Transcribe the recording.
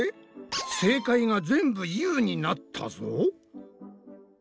正解が全部「ｙｏｕ」になったぞ。